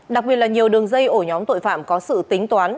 đặc biệt là nhiều đường dây ổ nhóm tội phạm có sự tính toán